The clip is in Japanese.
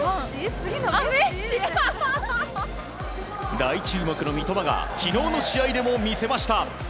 大注目の三笘が昨日の試合でも見せました。